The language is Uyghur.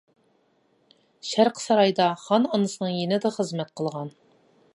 شەرقىي سارايدا خان ئانىسىنىڭ يېنىدا خىزمەت قىلغان.